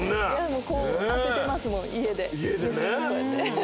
当ててますもん家で。